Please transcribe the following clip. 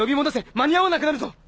間に合わなくなるぞ！